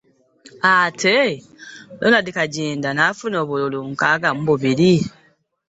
Ate Ronald Kaginda n'afuna obululu nkaaga my bubiri